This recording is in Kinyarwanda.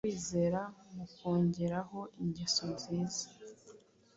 kwizera mukongereho ingeso nziza,